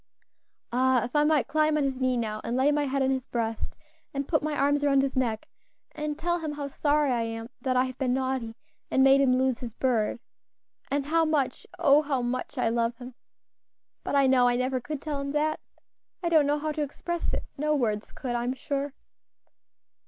Ah! if I might climb on his knee now, and lay my head on his breast, and put my arms round his neck, and tell him how sorry I am that I have been naughty, and made him lose his bird; and how much oh! how much I love him! But I know I never could tell him that I don't know how to express it; no words could, I am sure.